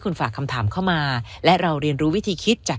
คุณฝากคำถามเข้ามาและเราเรียนรู้วิธีคิดจาก